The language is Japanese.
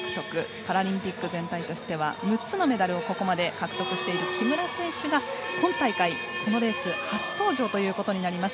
パラリンピック全体としては６つのメダルをここまで獲得している木村選手が今大会このレース初登場となります。